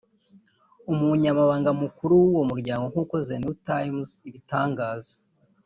Umunyamabanga mukuru w’uwo muryango nk’uko The New Times ibitangaza